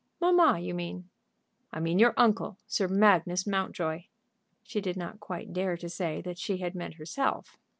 "Mamma, you mean?" "I mean your uncle, Sir Magnus Mountjoy." She did not quite dare to say that she had meant herself.